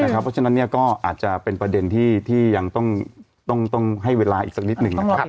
เพราะฉะนั้นก็อาจจะเป็นประเด็นที่ยังต้องให้เวลาอีกสักนิดหนึ่งนะครับ